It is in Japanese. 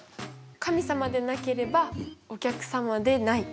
「神様でなければお客様でない」。